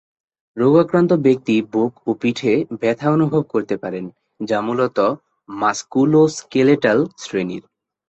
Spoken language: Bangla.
রোগাক্রান্ত ব্যক্তি বুক ও পিঠে ব্যাথা অনুভব করতে পারেন, যা মুলত মাস্কুলো-স্কেলেটাল শ্রেণির।